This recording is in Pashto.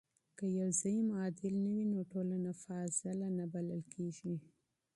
که يو زعيم عادل نه وي نو ټولنه فاضله نه بلل کيږي.